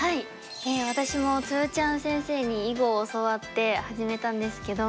私もつるちゃん先生に囲碁を教わって始めたんですけども。